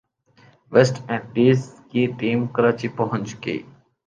waste Indies کی team Karachi پہنچ گئی